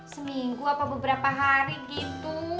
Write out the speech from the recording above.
seminggu apa beberapa hari gitu